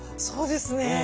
そうですね。